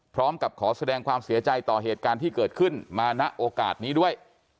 พร้อมกับขอแสดงความเสียใจต่อเหตุการณ์ที่เกิดขึ้นมาณโอกาสนี้ด้วย